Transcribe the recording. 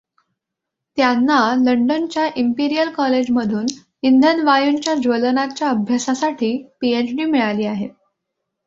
त्यांना लंडनच्या इंपीरियल कॉलेजमधून इंधन वायूंच्या ज्वलनाच्या अभ्यासासाठी पीएच. डी मिळाली आहे.